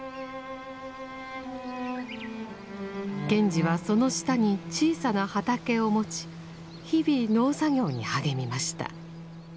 賢治はその下に小さな畑を持ち日々農作業に励みました。